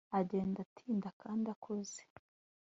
agenda atinda kandi akuze